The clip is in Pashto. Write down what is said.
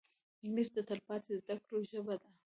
انګلیسي د تلپاتې زده کړو ژبه ده